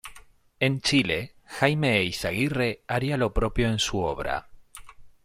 En Chile, Jaime Eyzaguirre haría lo propio en su obra.